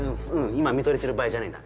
今見とれてる場合じゃないんだ。